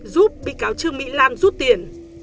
giúp bị cáo trương mỹ lan rút tiền